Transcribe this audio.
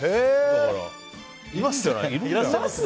だから、いますね。